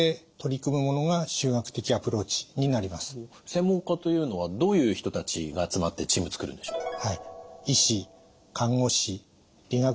専門家というのはどういう人たちが集まってチーム作るんでしょう？